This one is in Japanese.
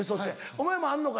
お前もあんのか？